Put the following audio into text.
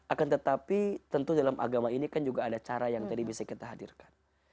akan tetapi tentu dalam agama ini kan juga ada cara yang tadi bisa kita hadirkan